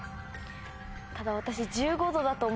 ただ私。